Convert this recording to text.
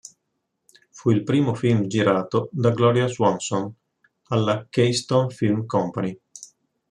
Fu il primo film girato da Gloria Swanson alla Keystone Film Company.